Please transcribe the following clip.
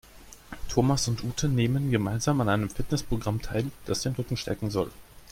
Thomas und Ute nehmen gemeinsam an einem Fitnessprogramm teil, das den Rücken stärken soll.